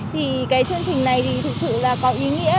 thì cái chương trình này thì thực sự là có ý nghĩa